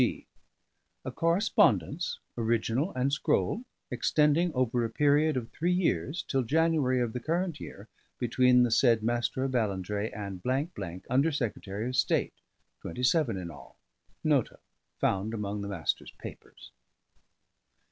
D. A correspondence, original and scroll, extending over a period of three years till January of the current year, between the said M^r of Ballantrae and , Under Secretary of State; twenty seven in all. Nota: found among the Master's papers.